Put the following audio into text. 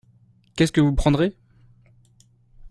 Qu’est-ce que vous prendrez ?